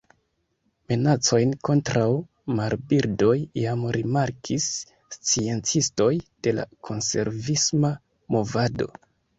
Minacojn kontraŭ marbirdoj jam rimarkis sciencistoj de la konservisma movado.